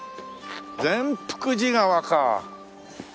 善福寺川か。